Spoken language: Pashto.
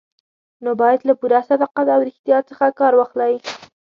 نو باید له پوره صداقت او ریښتیا څخه کار واخلئ.